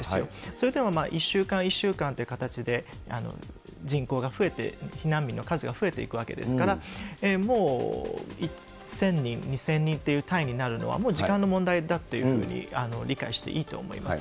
それでも１週間１週間という形で人口が増えて、避難民の数が増えていくわけですから、もう１０００人、２０００人という単位になるのは、もう時間の問題だというふうに理解していいと思います。